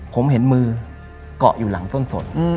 ผมเห็นมือเกาะอยู่หลังต้นสน